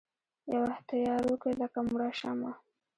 یوه تیارو کې لکه مړه شمعه